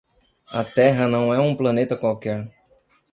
A Terra não é um planeta qualquer!